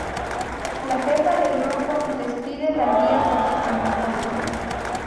La jefa del grupo despide al guía por su comportamiento.